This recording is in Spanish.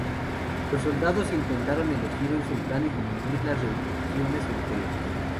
Los soldados intentaron elegir un sultán y dividir las regiones entre ellos.